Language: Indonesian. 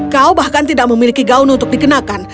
kau bahkan tidak memiliki gaun untuk dikenakan